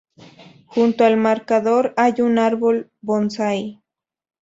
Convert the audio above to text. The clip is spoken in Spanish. Junto al marcador hay un árbol bonsái.